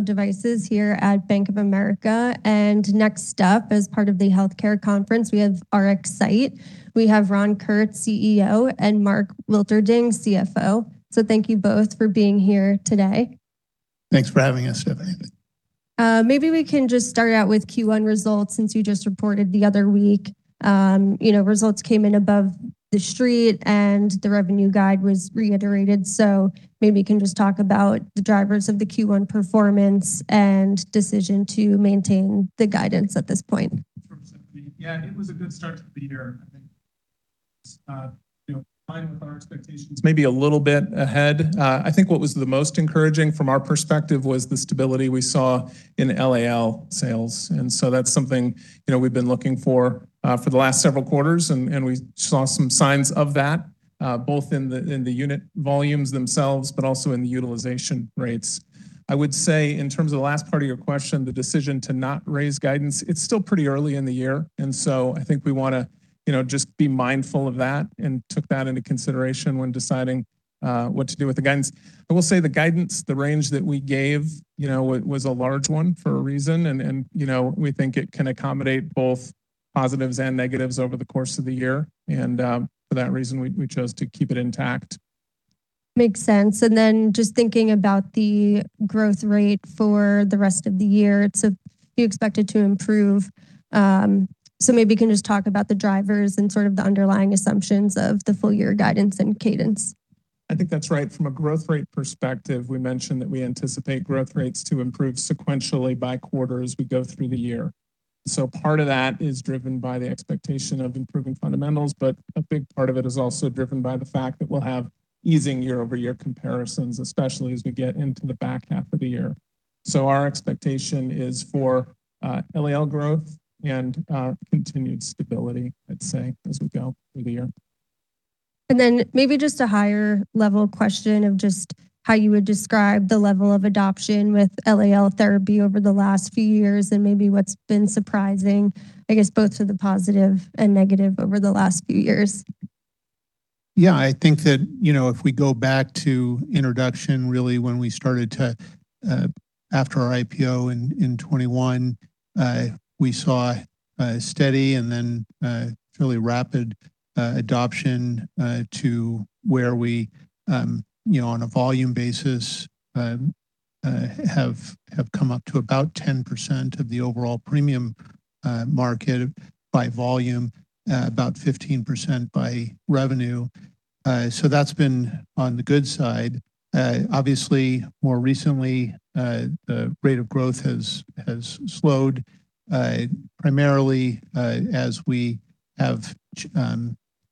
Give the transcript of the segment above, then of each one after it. Devices here at Bank of America. Next up, as part of the healthcare conference, we have RxSight. We have Ron Kurtz, CEO, and Mark Wilterding, CFO. Thank you both for being here today. Thanks for having us, Stephanie. Maybe we can just start out with Q1 results since you just reported the other week. You know, results came in above the street, and the revenue guide was reiterated. Maybe you can just talk about the drivers of the Q1 performance and decision to maintain the guidance at this point. Yeah, it was a good start to the year. I think, you know, in line with our expectations, maybe a little bit ahead. I think what was the most encouraging from our perspective was the stability we saw in LAL sales. That's something, you know, we've been looking for the last several quarters, and we saw some signs of that, both in the, in the unit volumes themselves, but also in the utilization rates. I would say in terms of the last part of your question, the decision to not raise guidance, it's still pretty early in the year. I think we wanna, you know, just be mindful of that and took that into consideration when deciding what to do with the guidance. I will say the guidance, the range that we gave, you know, was a large one for a reason, and, you know, we think it can accommodate both positives and negatives over the course of the year. For that reason, we chose to keep it intact. Makes sense. Just thinking about the growth rate for the rest of the year to be expected to improve. Maybe you can just talk about the drivers and sort of the underlying assumptions of the full year guidance and cadence. I think that's right. From a growth rate perspective, we mentioned that we anticipate growth rates to improve sequentially by quarter as we go through the year. Part of that is driven by the expectation of improving fundamentals, but a big part of it is also driven by the fact that we'll have easing year-over-year comparisons, especially as we get into the back half of the year. Our expectation is for LAL growth and continued stability, I'd say, as we go through the year. Then maybe just a higher level question of just how you would describe the level of adoption with LAL therapy over the last few years and maybe what's been surprising, I guess both to the positive and negative over the last few years? Yeah. I think that, you know, if we go back to introduction, really when we started to, after our IPO in 2021, we saw a steady and then fairly rapid adoption, to where we, you know, on a volume basis, have come up to about 10% of the overall premium market by volume, about 15% by revenue. That's been on the good side. Obviously more recently, the rate of growth has slowed, primarily as we have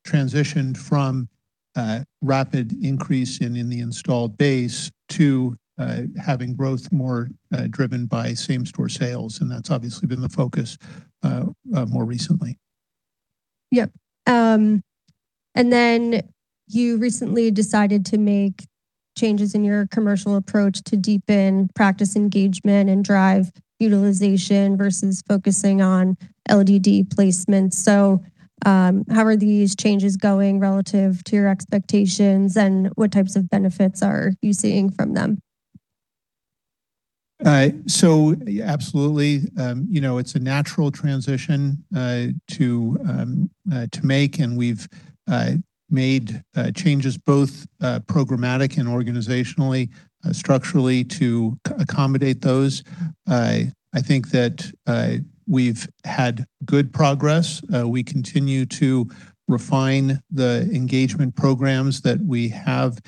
transitioned from a rapid increase in the installed base to having growth more driven by same-store sales, that's obviously been the focus more recently. Yep. Then you recently decided to make changes in your commercial approach to deepen practice engagement and drive utilization versus focusing on LDD placements. How are these changes going relative to your expectations, and what types of benefits are you seeing from them? Absolutely. You know, it's a natural transition to make, and we've made changes both programmatic and organizationally, structurally to accommodate those. I think that we've had good progress. We continue to refine the engagement programs that we have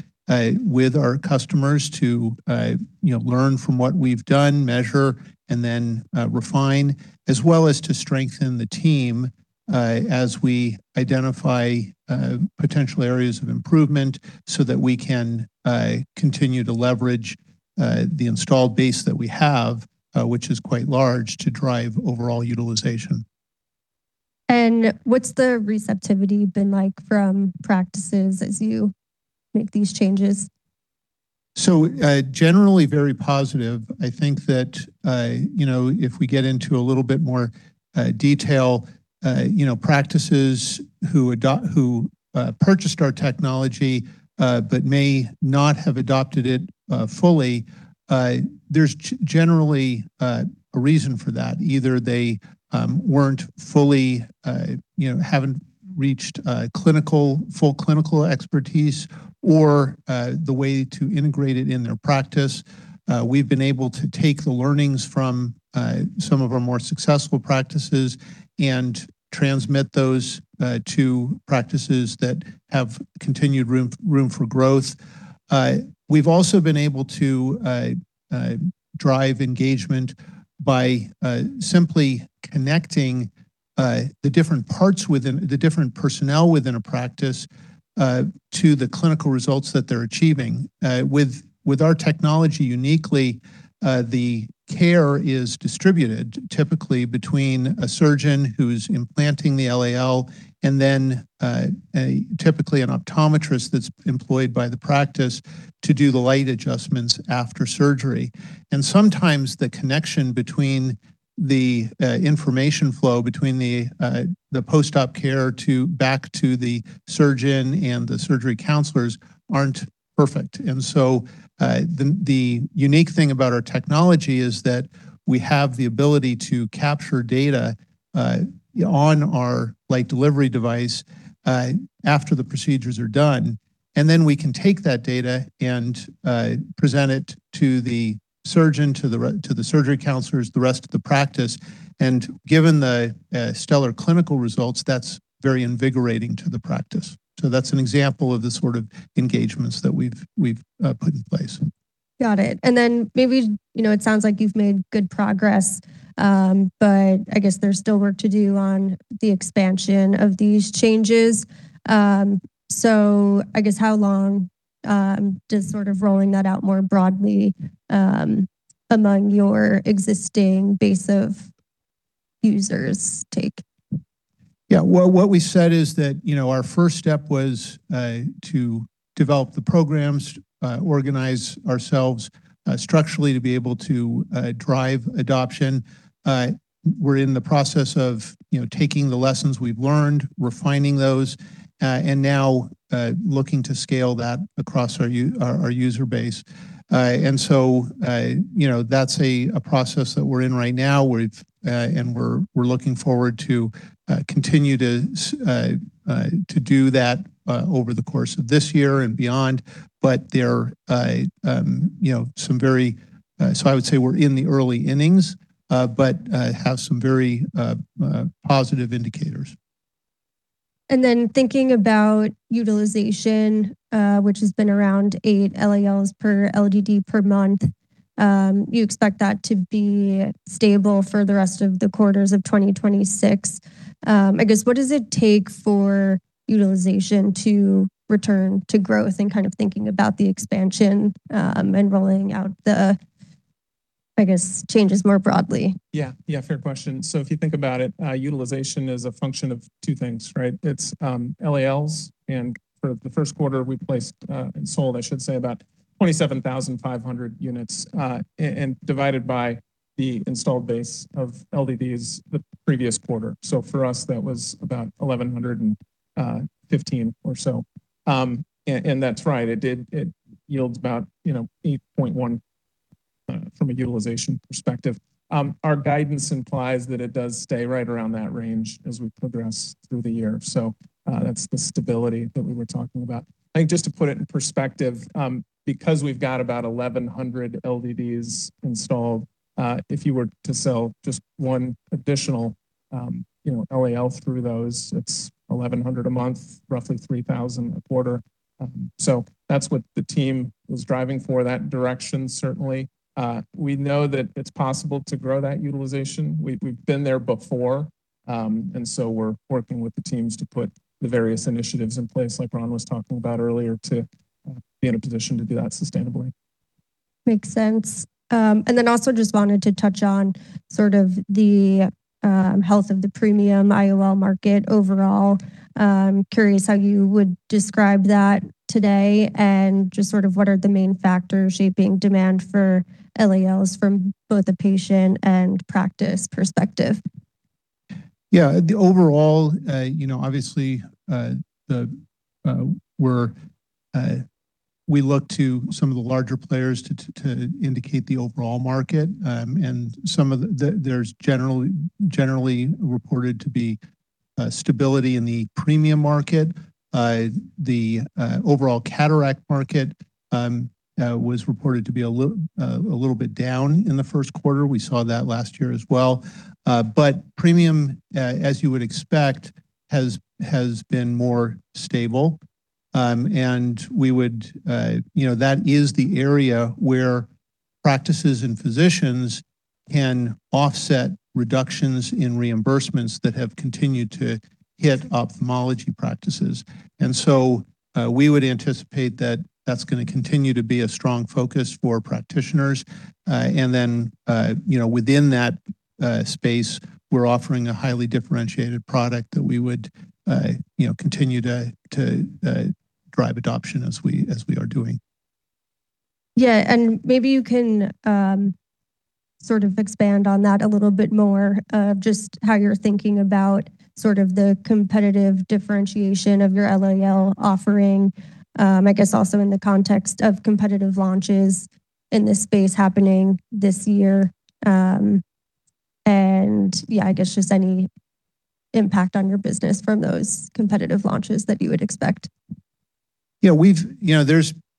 with our customers to, you know, learn from what we've done, measure, and then refine, as well as to strengthen the team as we identify potential areas of improvement so that we can continue to leverage the installed base that we have, which is quite large, to drive overall utilization. What's the receptivity been like from practices as you make these changes? Generally very positive. I think that, you know, if we get into a little bit more detail, you know, practices who purchased our technology, but may not have adopted it fully, there's generally a reason for that. Either they weren't fully, you know, haven't reached clinical, full clinical expertise or the way to integrate it in their practice. We've been able to take the learnings from some of our more successful practices and transmit those to practices that have continued room for growth. We've also been able to drive engagement by simply connecting the different personnel within a practice to the clinical results that they're achieving. With, with our technology uniquely, the care is distributed typically between a surgeon who's implanting the LAL and then, a typically an optometrist that's employed by the practice to do the light adjustments after surgery. Sometimes the connection between The information flow between the post-op care to back to the surgeon and the surgery counselors aren't perfect. The unique thing about our technology is that we have the ability to capture data on our Light Delivery Device after the procedures are done, then we can take that data and present it to the surgeon, to the surgery counselors, the rest of the practice. Given the stellar clinical results, that's very invigorating to the practice. That's an example of the sort of engagements that we've put in place. Got it. You know, it sounds like you've made good progress, but I guess there's still work to do on the expansion of these changes. How long does sort of rolling that out more broadly among your existing base of users take? Well, what we said is that, you know, our first step was to develop the programs, organize ourselves structurally to be able to drive adoption. We're in the process of, you know, taking the lessons we've learned, refining those, and now looking to scale that across our user base. You know, that's a process that we're in right now. We're looking forward to continue to do that over the course of this year and beyond. I would say we're in the early innings, have some very positive indicators. Thinking about utilization, which has been around 8 LALs per LDD per month, you expect that to be stable for the rest of the quarters of 2026. I guess what does it take for utilization to return to growth and kind of thinking about the expansion, and rolling out the, I guess, changes more broadly? Yeah. Yeah, fair question. If you think about it, utilization is a function of two things, right? It's LALs, and for the Q1, we placed and sold, I should say, about 27,500 units, and divided by the installed base of LDDs the previous quarter. For us, that was about 1,115 or so. And that's right. It yields about, you know, 8.1 from a utilization perspective. Our guidance implies that it does stay right around that range as we progress through the year. That's the stability that we were talking about. I think just to put it in perspective, because we've got about 1,100 LDDs installed, if you were to sell just one additional, you know, LAL through those, it's 1,100 a month, roughly 3,000 a quarter. That's what the team was driving for, that direction, certainly. We know that it's possible to grow that utilization. We've been there before, we're working with the teams to put the various initiatives in place, like Ron was talking about earlier, to be in a position to do that sustainably. Makes sense. Also just wanted to touch on sort of the health of the premium IOL market overall. Curious how you would describe that today and just sort of what are the main factors shaping demand for LALs from both the patient and practice perspective? Yeah. The overall, you know, obviously, we look to some of the larger players to indicate the overall market. There's generally reported to be stability in the premium market. The overall cataract market was reported to be a little bit down in the Q1. We saw that last year as well. Premium, as you would expect, has been more stable. We would, you know, that is the area where practices and physicians can offset reductions in reimbursements that have continued to hit ophthalmology practices. We would anticipate that that's gonna continue to be a strong focus for practitioners. You know, within that space, we're offering a highly differentiated product that we would, you know, continue to drive adoption as we are doing. Yeah. Maybe you can sort of expand on that a little bit more of just how you're thinking about sort of the competitive differentiation of your LAL offering, I guess also in the context of competitive launches in this space happening this year. Yeah, I guess just any impact on your business from those competitive launches that you would expect. Yeah, you know,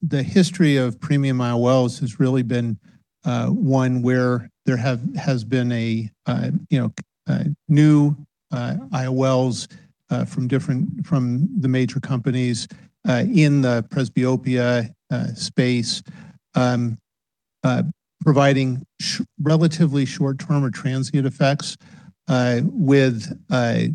the history of premium IOLs has really been one where there has been a, you know, a new IOLs from different from the major companies in the presbyopia space, providing relatively short-term or transient effects. As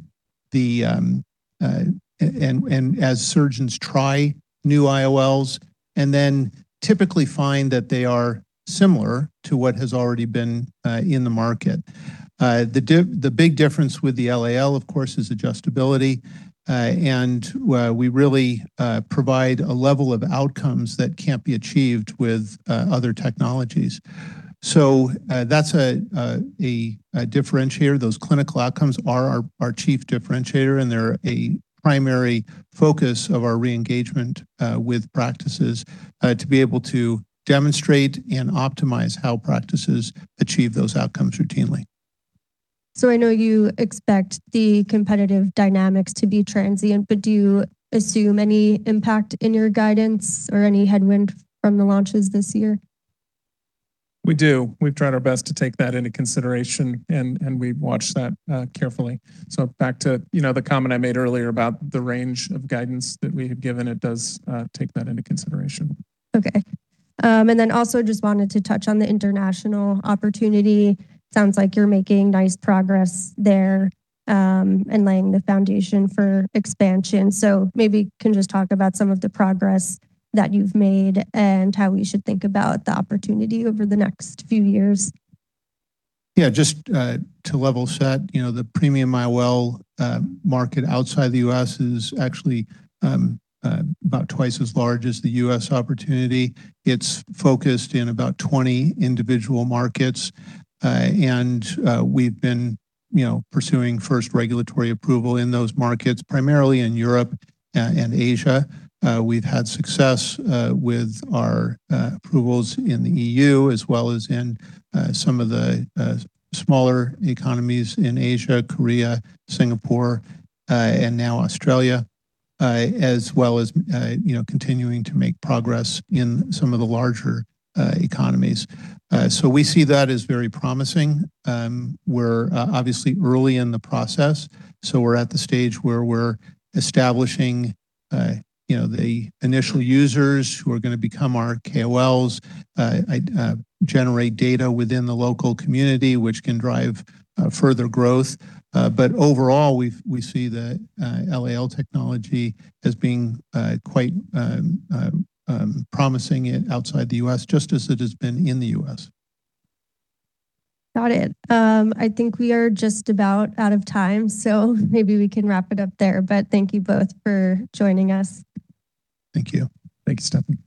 surgeons try new IOLs and then typically find that they are similar to what has already been in the market. The big difference with the LAL, of course, is adjustability. And we really provide a level of outcomes that can't be achieved with other technologies. That's a differentiator. Those clinical outcomes are our chief differentiator, and they're a primary focus of our re-engagement with practices to be able to demonstrate and optimize how practices achieve those outcomes routinely. I know you expect the competitive dynamics to be transient, but do you assume any impact in your guidance or any headwind from the launches this year? We do. We've tried our best to take that into consideration and we watch that carefully. Back to, you know, the comment I made earlier about the range of guidance that we have given, it does take that into consideration. Okay. Also just wanted to touch on the international opportunity. Sounds like you're making nice progress there, laying the foundation for expansion. Maybe you can just talk about some of the progress that you've made and how we should think about the opportunity over the next few years. Yeah. Just to level set, you know, the premium IOL market outside the U.S. is actually about twice as large as the U.S. opportunity. It's focused in about 20 individual markets. We've been, you know, pursuing first regulatory approval in those markets, primarily in Europe and Asia. We've had success with our approvals in the EU as well as in some of the smaller economies in Asia, Korea, Singapore, and now Australia. As well as, you know, continuing to make progress in some of the larger economies. We see that as very promising. We're obviously early in the process, so we're at the stage where we're establishing, you know, the initial users who are gonna become our KOLs, generate data within the local community, which can drive further growth. Overall, we see the LAL technology as being quite promising outside the US just as it has been in the US. Got it. I think we are just about out of time, so maybe we can wrap it up there. Thank you both for joining us. Thank you. Thank you, Stephanie.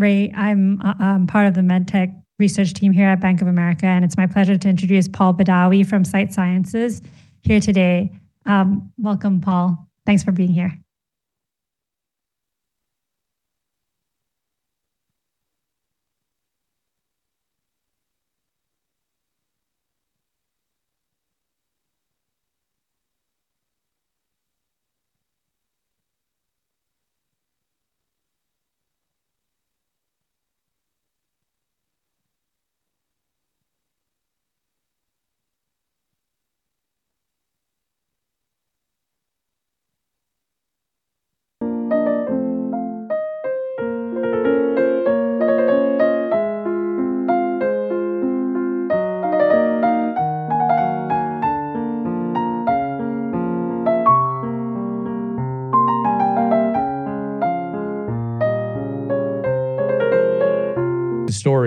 Good afternoon. I'm Ray. I'm part of the med tech research team here at Bank of America. It's my pleasure to introduce Paul Badawi from Sight Sciences here today. Welcome, Paul. Thanks for being here.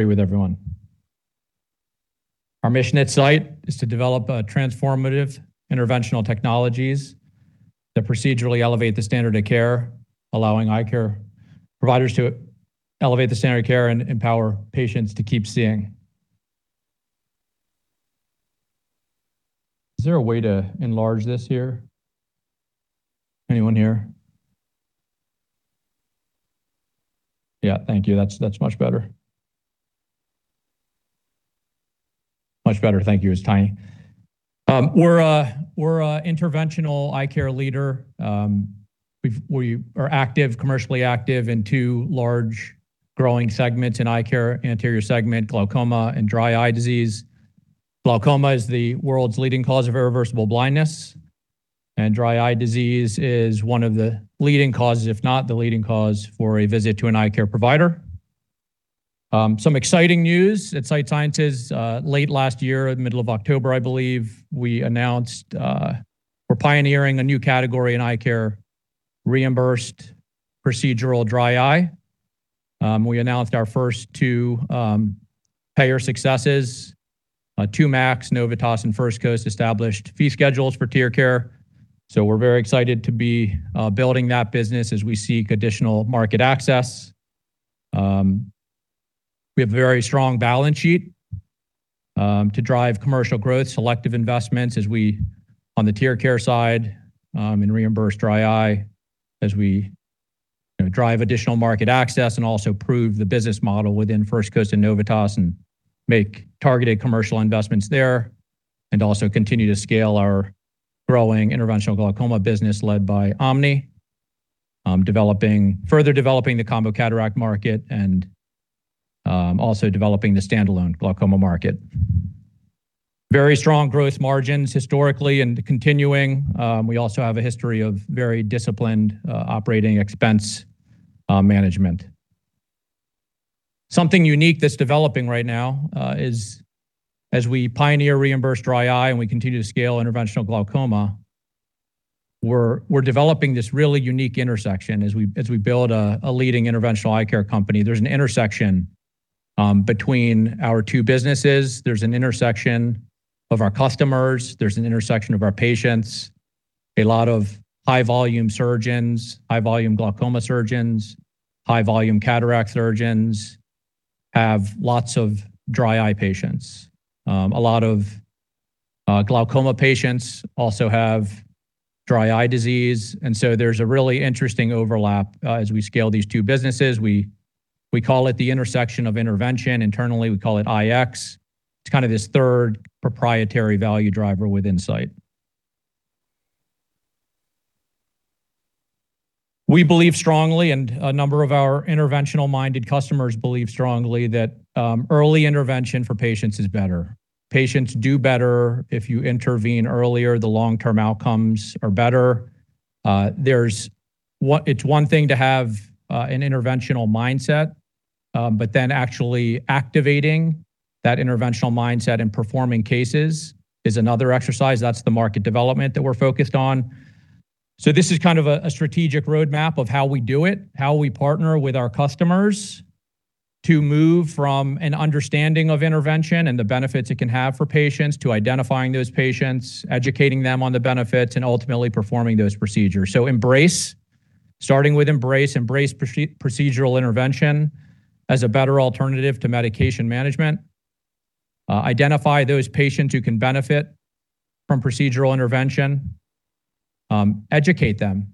The story with everyone. Our mission at Sight Sciences is to develop transformative interventional technologies that procedurally elevate the standard of care, allowing eye care providers to elevate the standard of care and empower patients to keep seeing. Is there a way to enlarge this here? Anyone here? Yeah, thank you. That's much better. Much better. Thank you. It's tiny. We're a interventional eye care leader. We are active, commercially active in two large growing segments in eye care, anterior segment, glaucoma, and dry eye disease. Glaucoma is the world's leading cause of irreversible blindness, and dry eye disease is one of the leading causes, if not the leading cause, for a visit to an eye care provider. Some exciting news at Sight Sciences, late last year, in the middle of October, I believe, we announced, we're pioneering a new category in eye care, reimbursed procedural dry eye. We announced our first 2 payer successes. two MACs, Novitas and First Coast established fee schedules for TearCare. We're very excited to be building that business as we seek additional market access. We have a very strong balance sheet to drive commercial growth, selective investments as we on the TearCare side, and reimburse dry eye as we drive additional market access and also prove the business model within First Coast and Novitas and make targeted commercial investments there, and also continue to scale our growing interventional glaucoma business led by OMNI, further developing the combo cataract market and also developing the standalone glaucoma market. Very strong gross margins historically and continuing. We also have a history of very disciplined operating expense management. Something unique that's developing right now is as we pioneer reimbursed dry eye and we continue to scale interventional glaucoma, we're developing this really unique intersection as we build a leading interventional eye care company. There's an intersection between our two businesses. There's an intersection of our customers. There's an intersection of our patients. A lot of high volume surgeons, high volume glaucoma surgeons, high volume cataract surgeons have lots of dry eye patients. A lot of glaucoma patients also have dry eye disease. There's a really interesting overlap as we scale these two businesses. We call it the intersection of intervention. Internally, we call it IX. It's kind of this third proprietary value driver with Sight. We believe strongly, a number of our interventional-minded customers believe strongly that early intervention for patients is better. Patients do better if you intervene earlier, the long-term outcomes are better. There's one thing to have an interventional mindset, then actually activating that interventional mindset and performing cases is another exercise. That's the market development that we're focused on. This is kind of a strategic roadmap of how we do it, how we partner with our customers to move from an understanding of intervention and the benefits it can have for patients to identifying those patients, educating them on the benefits, and ultimately performing those procedures. Embrace, starting with embrace procedural intervention as a better alternative to medication management. Identify those patients who can benefit from procedural intervention. Educate them.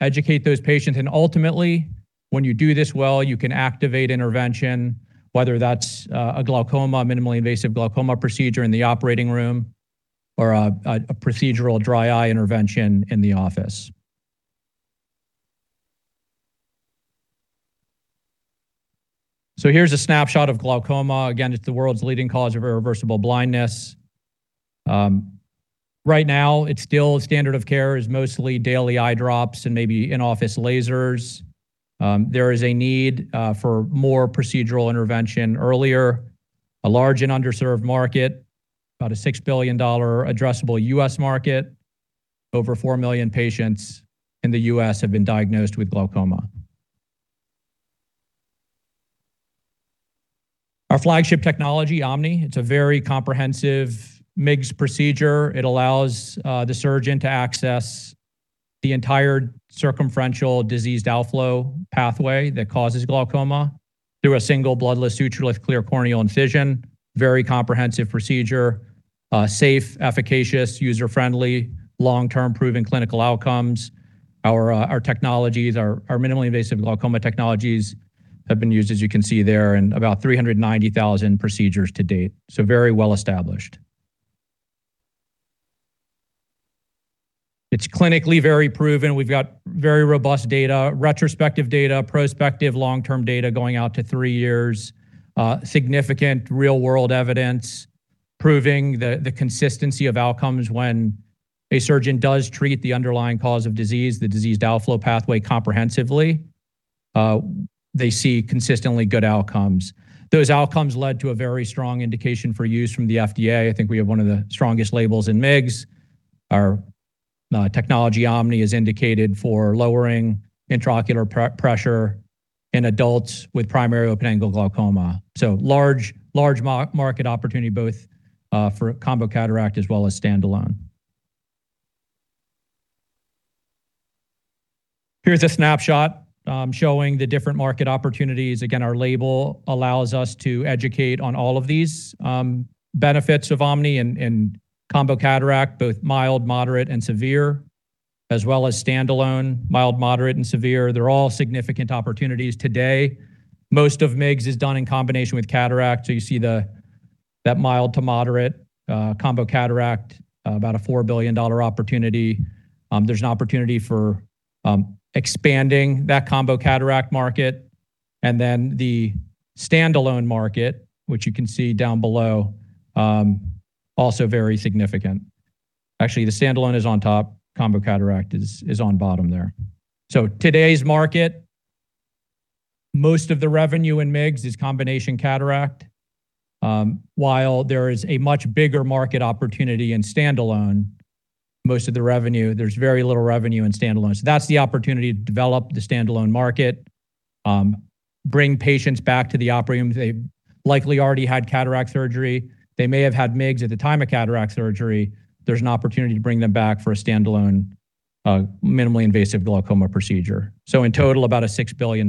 Educate those patients. Ultimately, when you do this well, you can activate intervention, whether that's a glaucoma, minimally invasive glaucoma procedure in the operating room or a procedural dry eye intervention in the office. Here's a snapshot of glaucoma. Again, it's the world's leading cause of irreversible blindness. Right now, it's still standard of care is mostly daily eye drops and maybe in-office lasers. There is a need for more procedural intervention earlier, a large and underserved market, about a $6 billion addressable U.S. market. Over 4 million patients in the U.S. have been diagnosed with glaucoma. Our flagship technology, Omni, it's a very comprehensive MIGS procedure. It allows the surgeon to access the entire circumferential diseased outflow pathway that causes glaucoma through a single bloodless sutureless clear corneal incision, very comprehensive procedure, safe, efficacious, user-friendly, long-term proven clinical outcomes. Our technologies, our minimally invasive glaucoma technologies have been used, as you can see there, in about 390,000 procedures to date, so very well established. It's clinically very proven. We've got very robust data, retrospective data, prospective long-term data going out to three years, significant real-world evidence proving the consistency of outcomes when a surgeon does treat the underlying cause of disease, the diseased outflow pathway comprehensively, they see consistently good outcomes. Those outcomes led to a very strong indication for use from the FDA. I think we have one of the strongest labels in MIGS. Our technology, OMNI, is indicated for lowering intraocular pressure in adults with primary open-angle glaucoma. Large market opportunity both for combo cataract as well as standalone. Here's a snapshot showing the different market opportunities. Again, our label allows us to educate on all of these benefits of OMNI in combo cataract, both mild, moderate, and severe, as well as standalone, mild, moderate, and severe. They're all significant opportunities today. Most of MIGS is done in combination with cataract. You see that mild to moderate combo cataract about a $4 billion opportunity. There's an opportunity for expanding that combo cataract market. The standalone market, which you can see down below, also very significant. Actually, the standalone is on top. Combo cataract is on bottom there. Today's market, most of the revenue in MIGS is combination cataract. While there is a much bigger market opportunity in standalone. Most of the revenue, there's very little revenue in standalone. That's the opportunity to develop the standalone market, bring patients back to the operating room. They likely already had cataract surgery. They may have had MIGS at the time of cataract surgery. There's an opportunity to bring them back for a standalone, minimally invasive glaucoma procedure. In total, about a $6 billion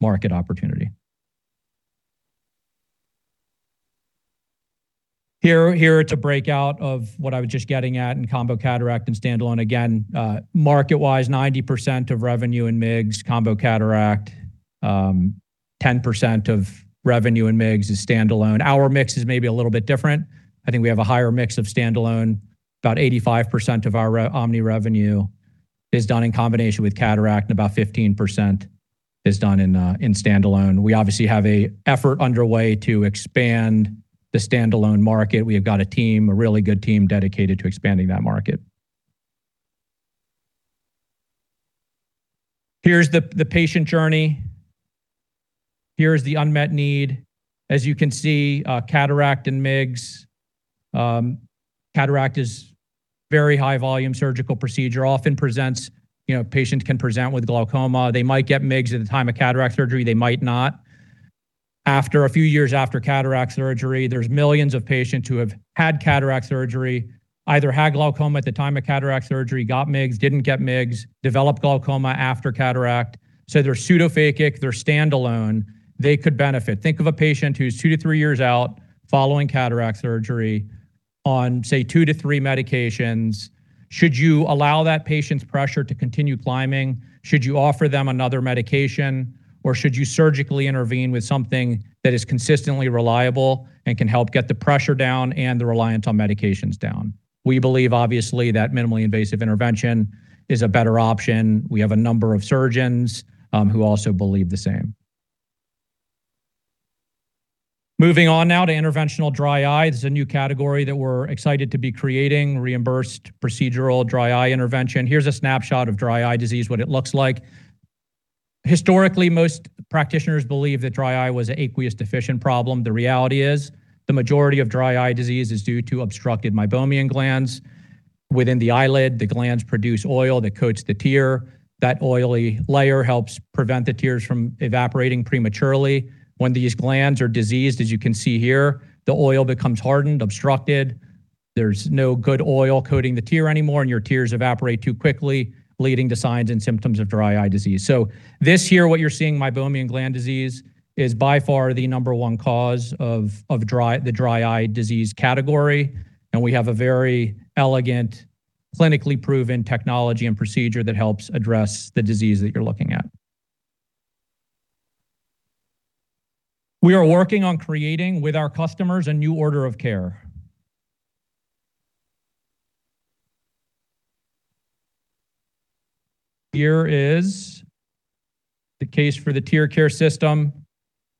market opportunity. Here it's a breakout of what I was just getting at in combo cataract and standalone. Again, market-wise, 90% of revenue in MIGS, combo cataract, 10% of revenue in MIGS is standalone. Our mix is maybe a little bit different. I think we have a higher mix of standalone. About 85% of our OMNI revenue is done in combination with cataract, and about 15% is done in standalone. We obviously have a effort underway to expand the standalone market. We have got a team, a really good team dedicated to expanding that market. Here's the patient journey. Here's the unmet need. As you can see, cataract and MIGS. Cataract is very high volume surgical procedure, often presents, you know, patient can present with glaucoma. They might get MIGS at the time of cataract surgery, they might not. After a few years after cataract surgery, there's millions of patients who have had cataract surgery, either had glaucoma at the time of cataract surgery, got MIGS, didn't get MIGS, developed glaucoma after cataract. They're pseudophakic, they're standalone. They could benefit. Think of a patient who's two-three years out following cataract surgery on, say, two-three medications. Should you allow that patient's pressure to continue climbing? Should you offer them another medication? Should you surgically intervene with something that is consistently reliable and can help get the pressure down and the reliance on medications down? We believe, obviously, that minimally invasive intervention is a better option. We have a number of surgeons who also believe the same. Moving on now to interventional dry eye. This is a new category that we're excited to be creating, reimbursed procedural dry eye intervention. Here's a snapshot of dry eye disease, what it looks like. Historically, most practitioners believe that dry eye was an aqueous deficient problem. The reality is the majority of dry eye disease is due to obstructed meibomian glands. Within the eyelid, the glands produce oil that coats the tear. That oily layer helps prevent the tears from evaporating prematurely. When these glands are diseased, as you can see here, the oil becomes hardened, obstructed. There's no good oil coating the tear anymore, and your tears evaporate too quickly, leading to signs and symptoms of dry eye disease. This here, what you're seeing, meibomian gland disease, is by far the number one cause of dry eye disease category. We have a very elegant, clinically proven technology and procedure that helps address the disease that you're looking at. We are working on creating with our customers a new order of care. Here is the case for the TearCare system.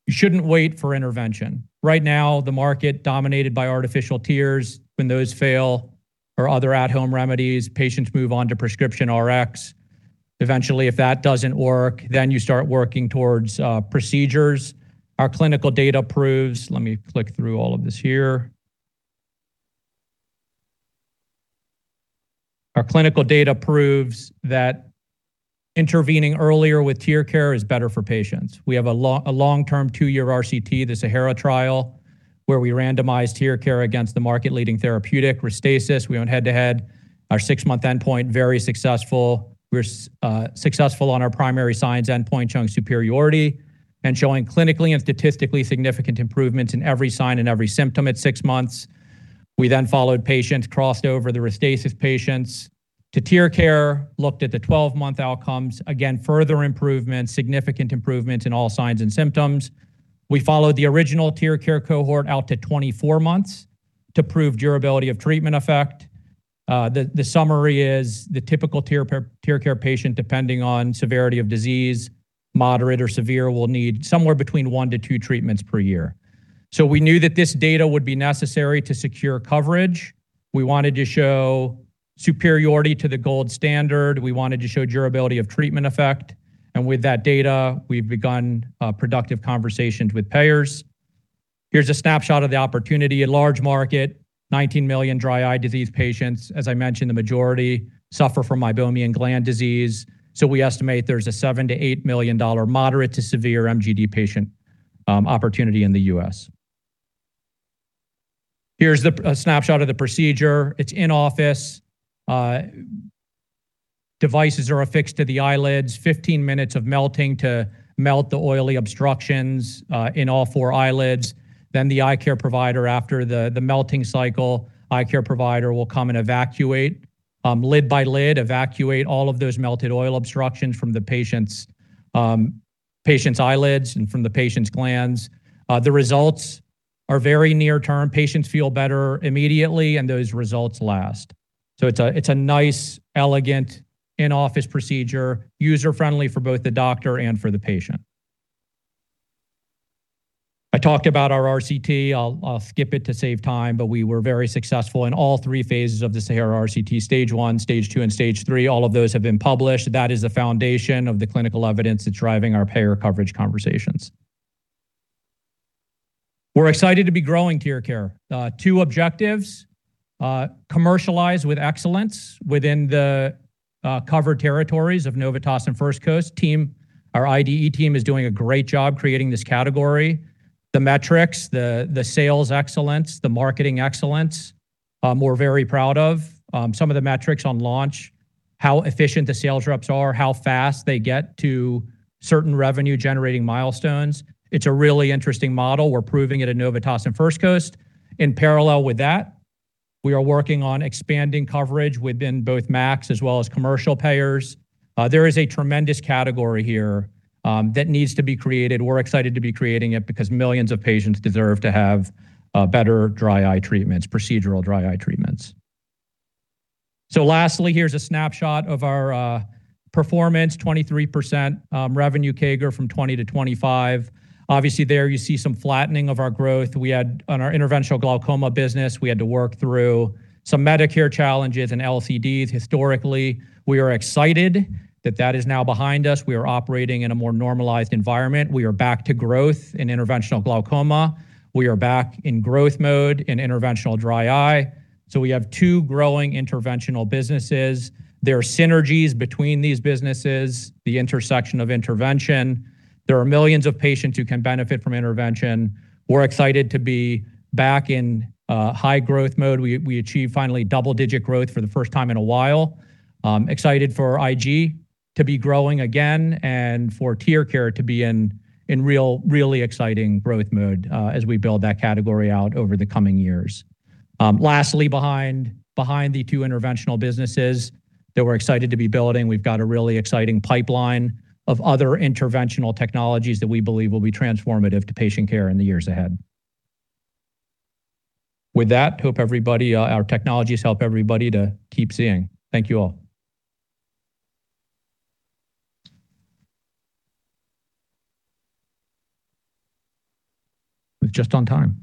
You shouldn't wait for intervention. Right now, the market dominated by artificial tears. When those fail or other at-home remedies, patients move on to prescription RX. Eventually, if that doesn't work, then you start working towards procedures. Our clinical data proves. Let me click through all of this here. Our clinical data proves that intervening earlier with TearCare is better for patients. We have a long-term two-year RCT, the SAHARA trial, where we randomized TearCare against the market-leading therapeutic, RESTASIS. We went head-to-head. Our 6-month endpoint, very successful. We're successful on our primary signs endpoint, showing superiority and showing clinically and statistically significant improvements in every sign and every symptom at 6 months. We followed patients, crossed over the RESTASIS patients to TearCare, looked at the 12-month outcomes. Again, further improvements, significant improvements in all signs and symptoms. We followed the original TearCare cohort out to 24 months to prove durability of treatment effect. The summary is the typical TearCare patient, depending on severity of disease, moderate or severe, will need somewhere between one to two treatments per year. We knew that this data would be necessary to secure coverage. We wanted to show superiority to the gold standard. We wanted to show durability of treatment effect. We've begun productive conversations with payers. Here's a snapshot of the opportunity. A large market, 19 million dry eye disease patients. As I mentioned, the majority suffer from meibomian gland disease. We estimate there's a $7 million-$8 million moderate to severe MGD patient opportunity in the U.S. Here's a snapshot of the procedure. It's in-office. Devices are affixed to the eyelids. 15 minutes of melting to melt the oily obstructions in all four eyelids. The eye care provider, after the melting cycle, eye care provider will come and evacuate lid by lid, evacuate all of those melted oil obstructions from the patient's eyelids and from the patient's glands. The results are very near term. Patients feel better immediately, and those results last. It's a nice, elegant in-office procedure, user-friendly for both the doctor and for the patient. I talked about our RCT. I'll skip it to save time, but we were very successful in all 3 phases of the SAHARA RCT, stage 1, stage 2, and stage 3. All of those have been published. That is the foundation of the clinical evidence that's driving our payer coverage conversations. We're excited to be growing TearCare. Two objectives, commercialize with excellence within the covered territories of Novitas Solutions and First Coast Service Options team. Our IDE team is doing a great job creating this category. The metrics, the sales excellence, the marketing excellence, we're very proud of. Some of the metrics on launch, how efficient the sales reps are, how fast they get to certain revenue-generating milestones. It's a really interesting model. We're proving it at Novitas and First Coast. In parallel with that, we are working on expanding coverage within both MACs as well as commercial payers. There is a tremendous category here that needs to be created. We're excited to be creating it because millions of patients deserve to have better dry eye treatments, procedural dry eye treatments. Lastly, here's a snapshot of our performance, 23% revenue CAGR from 2020 to 2025. Obviously there you see some flattening of our growth we had on our interventional glaucoma business. We had to work through some Medicare challenges and LCDs historically. We are excited that that is now behind us. We are operating in a more normalized environment. We are back to growth in interventional glaucoma. We are back in growth mode in interventional dry eye. We have two growing interventional businesses. There are synergies between these businesses, the intersection of intervention. There are millions of patients who can benefit from intervention. We're excited to be back in high growth mode. We achieved finally double-digit growth for the first time in a while. Excited for IG to be growing again and for TearCare to be in really exciting growth mode as we build that category out over the coming years. Lastly behind the two interventional businesses that we're excited to be building, we've got a really exciting pipeline of other interventional technologies that we believe will be transformative to patient care in the years ahead. With that, hope everybody, our technologies help everybody to keep seeing. Thank you all. We're just on time.